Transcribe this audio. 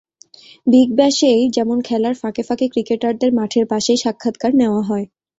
Big ব্যাশেই যেমন খেলার ফাঁকে ফাঁকে ক্রিকেটারদের মাঠের পাশেই সাক্ষাৎকার নেওয়া হয়।